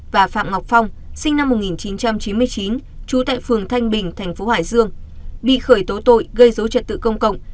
và phạm ngọc phong sinh năm một nghìn chín trăm chín mươi chín trú tại phường thanh bình thành phố hải dương bị khởi tố tội gây dối trật tự công cộng